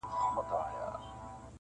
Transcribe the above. چوروندک له خوشالیه په ګډا سو-